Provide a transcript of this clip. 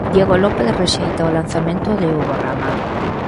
Diego López rexeita o lanzamento de Hugo Rama.